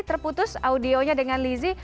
terputus audionya dengan lizy